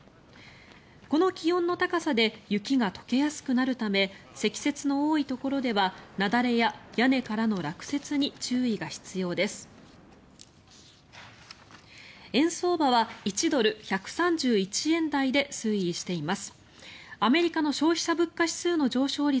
この気温の高さで雪が解けやすくなるため積雪の多いところでは雪崩や屋根からの落雪に注意が必要です。